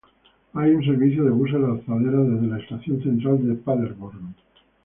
Hay un servicio de buses lanzadera desde la estación central de Paderborn.